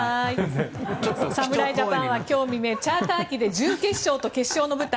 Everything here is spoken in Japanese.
侍ジャパンは今日未明チャーター機で準決勝と決勝の舞台